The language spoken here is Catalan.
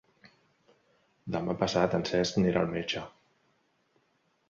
Demà passat en Cesc anirà al metge.